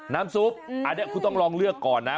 น้ำซุปอันนี้คุณต้องลองเลือกก่อนนะ